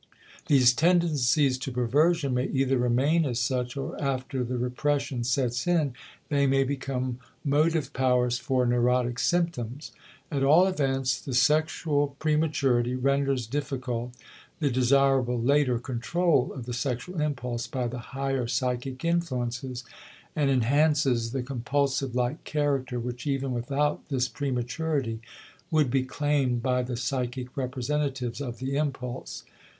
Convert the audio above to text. These tendencies to perversion may either remain as such, or after the repression sets in they may become motive powers for neurotic symptoms; at all events, the sexual prematurity renders difficult the desirable later control of the sexual impulse by the higher psychic influences, and enhances the compulsive like character which even without this prematurity would be claimed by the psychic representatives of the impulse.